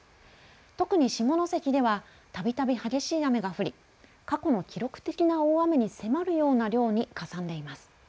特に下関ではたびたび激しい雨が降り、過去の記録的な大雨に迫るような量にかさんでいます。